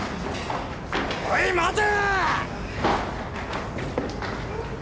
おい待て！